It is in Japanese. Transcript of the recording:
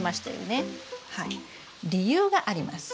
理由があります。